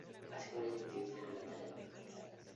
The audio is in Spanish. Así que varios individuos se dieron a la tarea de localizarlo.